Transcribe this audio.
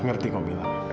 ngerti kok mila